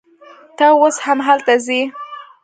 ته اوس هم هلته ځې